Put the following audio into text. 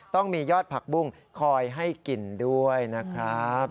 ต้องมียอดผักบุ้งคอยให้กินด้วยนะครับ